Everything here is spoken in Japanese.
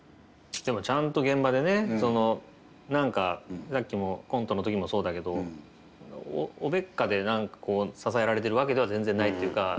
でもちゃんと現場でねさっきも「コント」の時もそうだけどおべっかで支えられているわけでは全然ないっていうか。